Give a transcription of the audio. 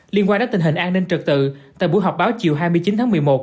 liên quan đến tình hình an ninh trật tự tại buổi họp báo chiều hai mươi chín tháng một mươi một